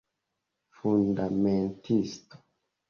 Fundamentisto.